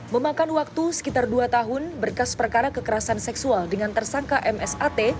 memakan waktu sekitar dua tahun berkas perkara kekerasan seksual dengan tersangka msat